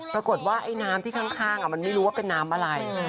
ปรากฏว่าไอ้น้ำที่ข้างมันไม่รู้ว่าเป็นน้ำอะไร